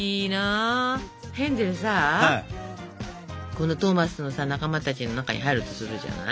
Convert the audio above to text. このトーマスのさ仲間たちの中に入るとするじゃない？